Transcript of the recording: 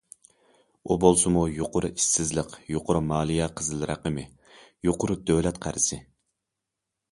ئۇ بولسىمۇ يۇقىرى ئىشسىزلىق، يۇقىرى مالىيە قىزىل رەقىمى، يۇقىرى دۆلەت قەرزى.